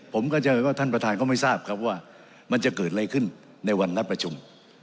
ผมเข้าใจว่าท่านประธานก็ไม่ทราบครับว่ามันจะเกิดอะไรขึ้นในวันนัดประชุม